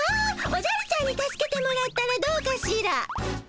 おじゃるちゃんに助けてもらったらどうかしら？